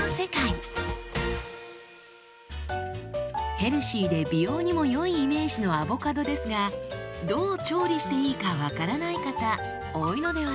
ヘルシーで美容にも良いイメージのアボカドですがどう調理していいか分からない方多いのではないでしょうか？